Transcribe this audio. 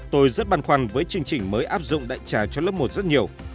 tôi rất băn khoăn với chương trình mới áp dụng đại trà cho lớp một rất nhiều